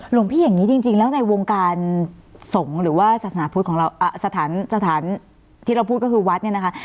หลวงพี่อย่างนี้จริงแล้วในวงการสงฆ์หรือว่าศาสนาพุทธของเราสถานที่เราพูดก็คือวัดเนี่ยนะคะ